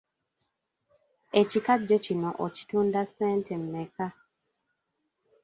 Ekikajjo kino okitunda ssente mmeka?